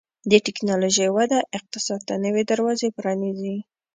د ټکنالوژۍ وده اقتصاد ته نوي دروازې پرانیزي.